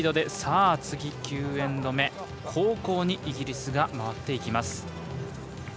次、９エンド目後攻にイギリスが回っていきます。